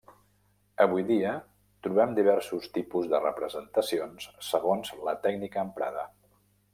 Avui dia, trobem diversos tipus de representacions segons la tècnica emprada.